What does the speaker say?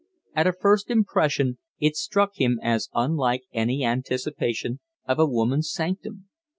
At a first impression it struck him as unlike any anticipation of a woman's sanctum.